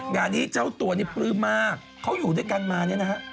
งานนี้เจ้าตัวนี่ปลื้มมากเขาอยู่ด้วยกันมาเนี่ยนะฮะ